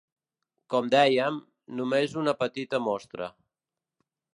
Com dèiem, només una petita mostra.